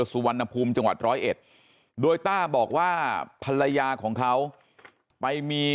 สุวรรณภูมิจังหวัดร้อยเอ็ดโดยต้าบอกว่าภรรยาของเขาไปมี